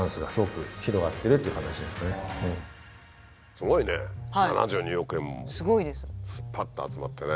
すごいね７２億円もぱっと集まってね。